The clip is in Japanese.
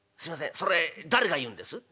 それ誰が言うんです？」。